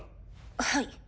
はい。